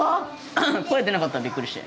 声出なかったびっくりして。